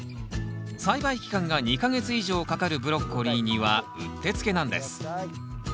栽培期間が２か月以上かかるブロッコリーにはうってつけなんです。